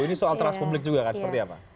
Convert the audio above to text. ini soal transpublik juga kan seperti apa